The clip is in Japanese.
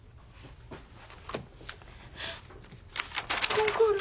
コンクール。